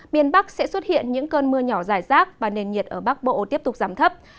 biên bắc sẽ xuất hiện những cơn mưa nhỏ dài rác và nền nhiệt ở bắc bộ tiếp tục giảm thấp